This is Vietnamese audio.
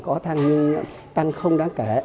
có tăng không đáng kể